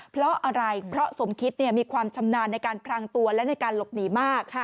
เพราะอะไรเพราะสมคิดมีความชำนาญในการพลังตัวและในการหลบหนีมาก